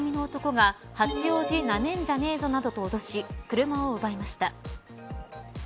２人組みの男が八王子なめんじゃねえぞなどと脅し車を奪いました。